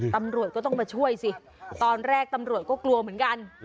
ตำรวจก็ต้องมาช่วยสิตอนแรกตำรวจก็กลัวเหมือนกัน